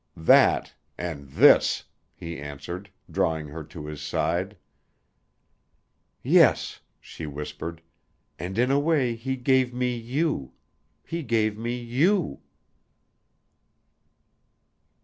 "That and this," he answered, drawing her to his side. "Yes," she whispered, "and in a way he gave me you he gave me you."